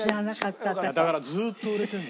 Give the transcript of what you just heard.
だからずーっと売れてるんだ。